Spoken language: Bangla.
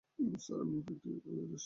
স্যার, আমি ফ্যাক্টরির বাইরে আছি।